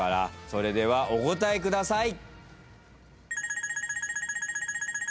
それではお答えください。